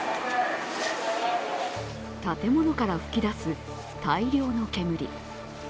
建物から噴き出す大量の煙。